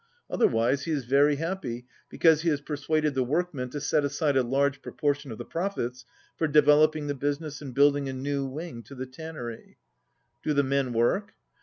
Otherwise, he is very happy because he has persuaded the workmen to set aside a large proportion of the profits for developing the business and building a new wing to the tannery." "Do the men work?"